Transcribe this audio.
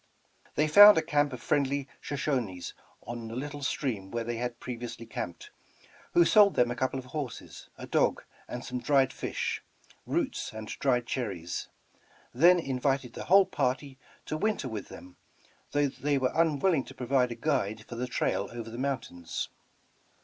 They found a camp of friendly Shoshonies on the little stream where they had previously camped, who sold them a couple of horses, a dog, and some dried fish, roots and dried cherries; then invited the whole party to winter with them, though they were unwilling to provide a guide for the trail over the mountains.